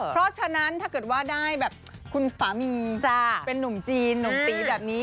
เพราะฉะนั้นถ้าเกิดว่าได้แบบคุณสามีเป็นนุ่มจีนหนุ่มตีแบบนี้